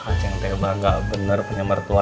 ajes tebah ga bener peny torres